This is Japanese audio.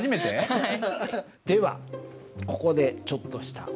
はい。